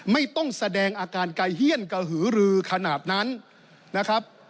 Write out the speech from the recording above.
ไม่ต้องแสดงอาการไกลเฮียนกระหือรือขนาดนั้นนะครับ